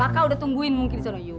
aku sudah menunggu kamu di sana yuk